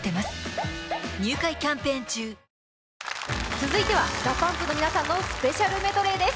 続いてはＤＡＰＵＭＰの皆さんのスペシャルメドレーです。